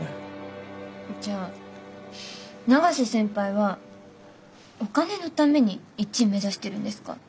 じゃあ永瀬先輩はお金のために１位目指してるんですか？